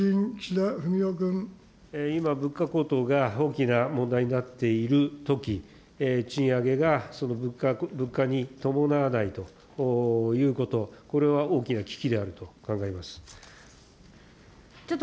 今、物価高騰が大きな問題になっているとき、賃上げがその物価に伴わないということ、これは大きな危機であると考えます。